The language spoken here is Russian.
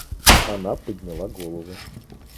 Она подняла голову.